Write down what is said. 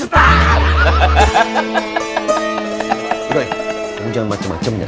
nanti ya kamu jangan macem macem ya